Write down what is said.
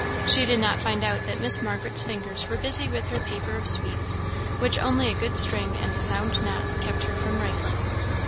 She did not find out that Miss Margaret's fingers were busy with her paper of sweets, which only a good string and a sound knot kept her from rifling.